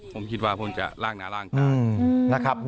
ผมคิดว่าจะล้างหน้าล้างกลาง